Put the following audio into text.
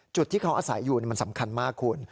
จุดที่เขาอาศัยอยู่มันสำคัญมากคุณ